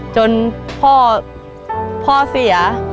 จนพ่อพ่อเสีย